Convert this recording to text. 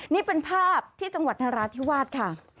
นี่เป็นภาพที่จังหวัดนราธิวาสค่ะ